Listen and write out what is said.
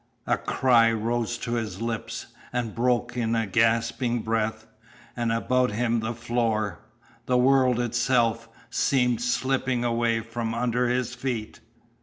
A cry rose to his lips and broke in a gasping breath, and about him the floor, the world itself, seemed slipping away from under his feet.